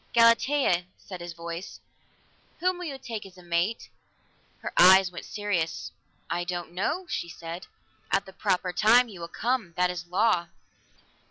"Galatea," said his voice, "Whom will you take as mate?" Her eyes went serious. "I don't know," she said. "At the proper time he will come. That is a law."